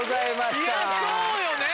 そうよね！